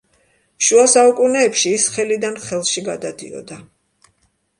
შუა საუკუნეებში ის ხელიდან ხელში გადადიოდა.